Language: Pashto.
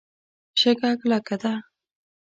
شګه کلکه ده.